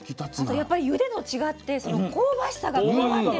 やっぱりゆでと違って香ばしさが加わってる。